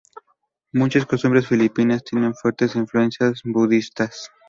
Muchas costumbres filipinas tienen fuertes influencias budistas.